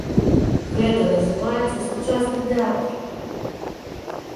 Гэта называецца сучасны тэатр!